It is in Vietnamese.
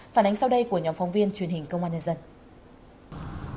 phản ánh sau đây của nhóm phóng viên truyền hình công an nhân dân